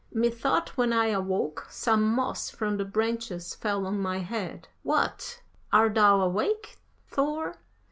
Methought when I awoke some moss from the branches fell on my head. What! Art thou awake, Thor?